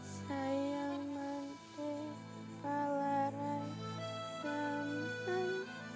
sayang mantepa larai daman